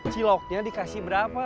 ciloknya dikasih berapa